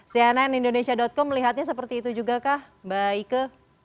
cnn indonesia com melihatnya seperti itu juga kah mbak ike